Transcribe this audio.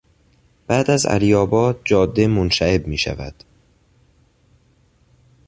بعد از علیآباد جاده منشعب میشود.